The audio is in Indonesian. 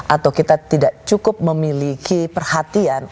atau kita tidak cukup memiliki perhatian